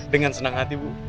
dengan senang hati bu